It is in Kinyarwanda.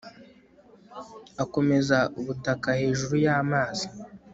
akomeza ubutaka hejuru y'amazi